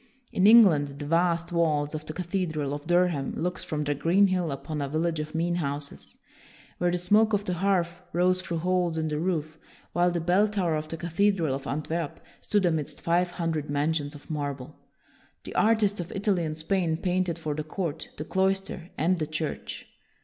In England, the vast walls of the cathedral of Durham looked from their green hill upon a village of mean houses, where the smoke of the hearth rose through holes in the roof, while the bell tower of the WILLIAM THE SILENT 175 cathedral of Antwerp stood amidst five hundred mansions of marble. The artists of Italy and Spain painted for the court, the cloister, and the Church.